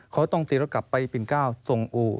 เขาต้องตีรถกลับไปปิ่นเก้าส่งอู่